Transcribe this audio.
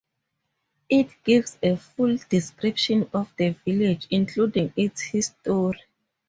It gives a full description of the Village, including its history.